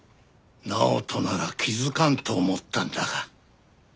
直人なら気づかんと思ったんだが。